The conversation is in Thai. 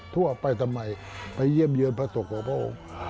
ที่เยี่ยมเยือนพระศกของพระองค์